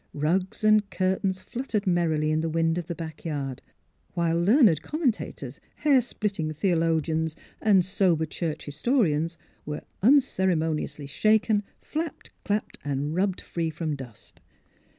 Rugs and curtains fluttered merrily in the wind of the back yard; while learned commentators, hairsplitting theo logians, and sober church historians were uncere moniously shaken, flapped, clapped, and rubbed free from dust.